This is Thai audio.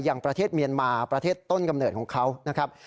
อย่างประเทศเมียนมาประเทศต้นกำเนิดของเขานะครับ